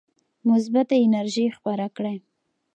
مثبته انرژي خپره کړئ.